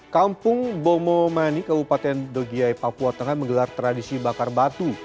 kampung bomomani kabupaten dogiai papua tengah menggelar tradisi bakar batu